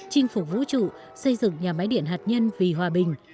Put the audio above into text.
chinh phục vũ trụ xây dựng nhà máy điện hạt nhân vì hòa bình